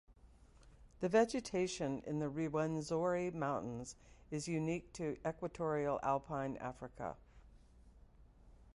The vegetation in the Rwenzori Mountains is unique to equatorial alpine Africa.